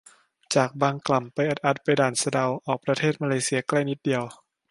จากบางกล่ำ ไปด่านสะเดา ออกประเทศมาเลเซียใกล้นิดเดียว